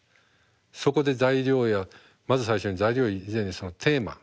そこで材料やまず最初に材料以前にそのテーマ。